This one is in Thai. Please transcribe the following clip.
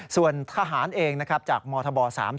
ส่วนทหารเองนะครับจากมธบ๓๔